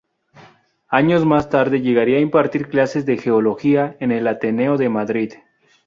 Años más tarde llegaría a impartir clases de geología en el Ateneo de Madrid.